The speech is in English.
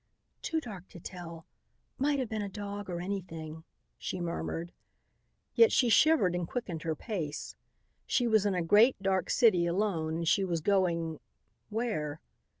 "Too dark to tell. Might have been a dog or anything," she murmured. Yet she shivered and quickened her pace. She was in a great, dark city alone and she was going where?